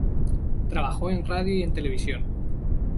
Trabajó en radio y en televisión.